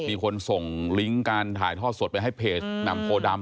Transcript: มีคนส่งลิงก์การถ่ายทอดสดไปให้เพจแหม่มโพดำ